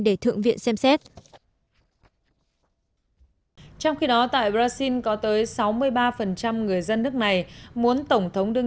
để thượng viện xem xét trong khi đó tại brazil có tới sáu mươi ba người dân nước này muốn tổng thống đương